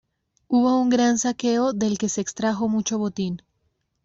Hubo un gran saqueo del que se extrajo mucho botín.